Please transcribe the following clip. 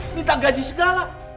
ini tak gaji segala